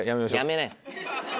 やめなよ。